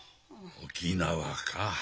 沖縄か。